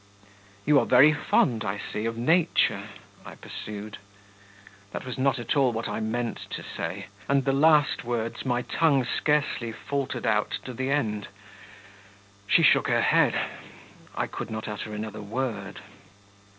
'You are very fond, I see, of nature,' I pursued. That was not at all what I meant to say, and the last words my tongue scarcely faltered out to the end. She shook her head. I could not utter another word....